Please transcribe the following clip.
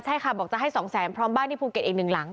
ใช่ค่ะบอกจะให้๒แสนพร้อมบ้านที่ภูเก็ตอีกหนึ่งหลัง